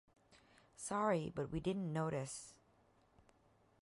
Sorry, but we didn’t notice.